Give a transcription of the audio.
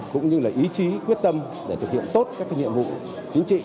cũng như là ý chí quyết tâm để thực hiện tốt các nhiệm vụ chính trị